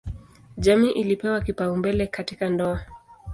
Jamii ilipewa kipaumbele katika ndoa.